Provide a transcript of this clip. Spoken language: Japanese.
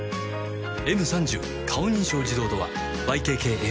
「Ｍ３０ 顔認証自動ドア」ＹＫＫＡＰ